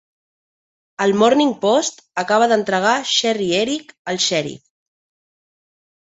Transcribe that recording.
El Morning Post acaba d'entregar Sherry Eric al xèrif.